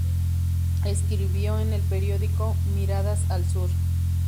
Escribió en el periódico "Miradas al Sur".